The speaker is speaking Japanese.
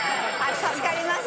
助かります